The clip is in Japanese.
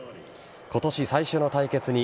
今年最初の対決に